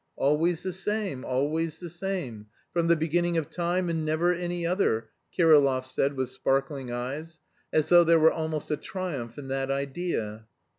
"Always the same, always the same, from the beginning of time and never any other," Kirillov said with sparkling eyes, as though there were almost a triumph in that idea.